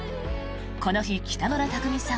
この日、北村匠海さん